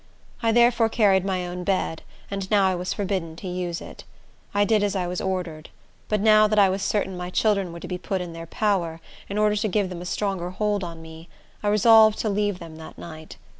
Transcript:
I therefore carried my own bed, and now I was forbidden to use it. I did as I was ordered. But now that I was certain my children were to be put in their power, in order to give them a stronger hold on me, I resolved to leave them that night.